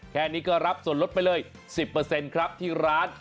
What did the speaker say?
แค่นี้ก็รับส่วนลดไปเลย๑๐ครับที่ร้าน